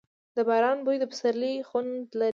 د باران بوی د پسرلي خوند لري.